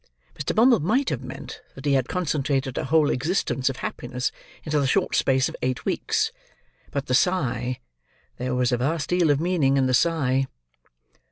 Mr. Bumble might have meant that he had concentrated a whole existence of happiness into the short space of eight weeks; but the sigh—there was a vast deal of meaning in the sigh.